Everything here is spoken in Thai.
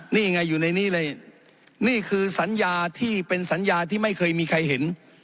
นี่ไงอยู่ในนี้เลยนี่คือสัญญาที่เป็นสัญญาที่ไม่เคยมีใครเห็น